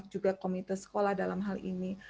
juga komite sekolah dalam hal ini